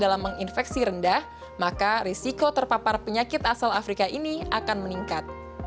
dalam menginfeksi rendah maka risiko terpapar penyakit asal afrika ini akan meningkat